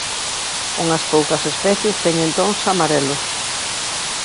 Unhas poucas especies teñen tons amarelos.